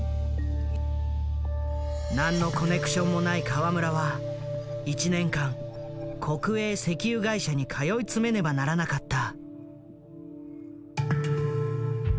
何のコネクションもない河村は１年間国営石油会社に通い詰めねばならなかった。